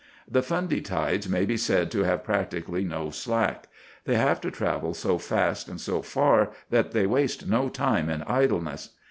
The Fundy tides may be said to have practically no slack; they have to travel so fast and so far that they waste no time in idleness.